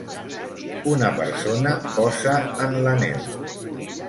Una persona posa en la neu.